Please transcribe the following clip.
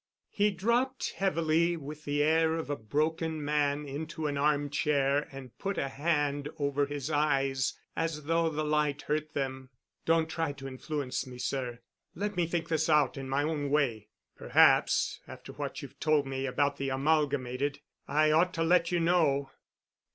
He dropped heavily, with the air of a broken man, into an armchair, and put a hand over his eyes as though the light hurt them. "Don't try to influence me, sir. Let me think this out in my own way. Perhaps, after what you've told me about the Amalgamated, I ought to let you know."